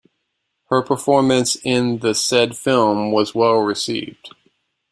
Her performance in the said film was well received.